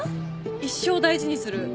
一生大事にする。